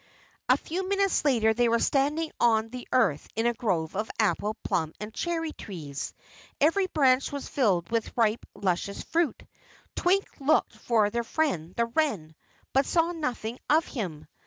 A few minutes later they were standing on the earth in a grove of apple, plum, and cherry trees. Every branch was filled with ripe, luscious fruit. Twink looked for their friend, the wren, but saw nothing of him.